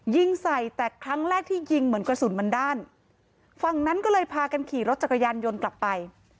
ยิงใส่แต่ครั้งแรกที่ยิงเหมือนกระสุนมันด้านฝั่งนั้นก็เลยพากันขี่รถจักรยานยนต์กลับไป